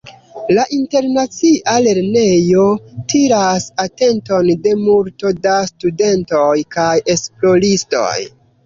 La Internacia Lernejo tiras atenton de multo da studentoj kaj esploristoj.